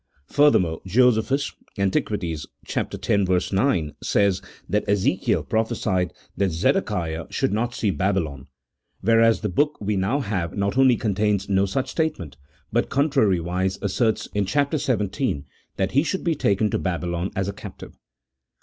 Further more, Josephus, " Antiq." x. 9, says that Ezekiel prophesied that Zedekiah should not see Babylon, whereas the book we now have not only contains no such statement, but con trariwise asserts in chap. xvii. that he should be taken to Babylon as a captive.